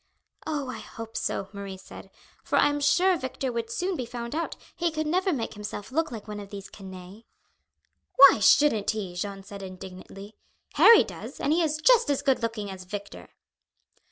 "Oh, I hope so," Marie said, "for I am sure Victor would soon be found out, he could never make himself look like one of these canaille." "Why shouldn't he?" Jeanne said indignantly. "Harry does, and he is just as good looking as Victor."